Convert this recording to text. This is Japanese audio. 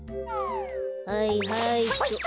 はいはいっと。